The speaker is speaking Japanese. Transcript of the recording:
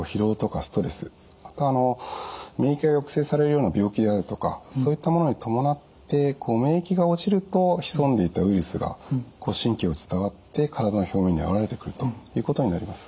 あと免疫が抑制されるような病気であるとかそういったものに伴って免疫が落ちると潜んでいたウイルスが神経を伝わって体の表面に現れてくるということになります。